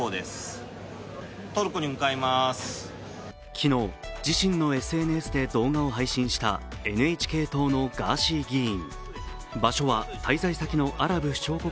昨日、自身のＳＮＳで動画を配信したＮＨＫ党のガーシー議員。